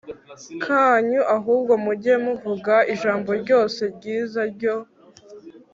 kanyu ahubwo mujye muvuga ijambo ryose ryiza ryo